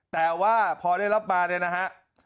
แต่ว่าพอได้รับมาเนี่ยนะฮะ